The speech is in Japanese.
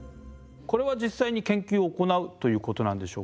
これは実際に研究を行うということなんでしょうか。